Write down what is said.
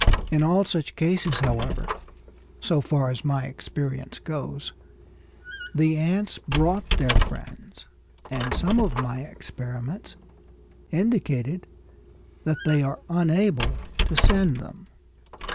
In all such cases, however, so far as my experience goes, the ants brought their friends, and some of my experiments indicated that they are unable to send them.